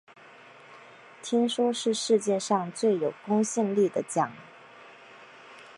听说是世界上最有公信力的奖